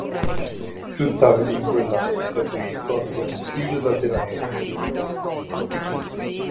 Più tardi in quell'anno si aprì il quarto Concilio Lateranense.